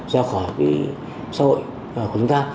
ra khỏi xã hội của chúng ta